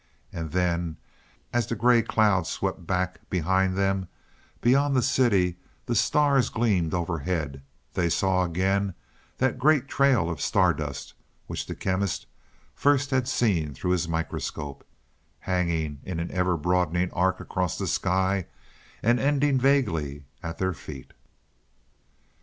And then, as the gray cloud swept back behind them, beyond the city, and the stars gleamed overhead, they saw again that great trail of star dust which the Chemist first had seen through his microscope, hanging in an ever broadening arc across the sky, and ending vaguely at their feet.